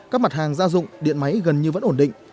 các mặt hàng gia dụng điện máy gần như vẫn ổn định